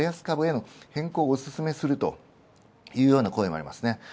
株への変更をおすすめするというような声もあります。